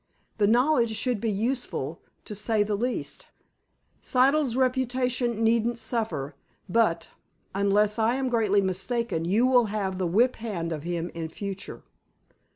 The knowledge should be useful, to say the least. Siddle's reputation needn't suffer, but, unless I am greatly mistaken, you will have the whip hand of him in future."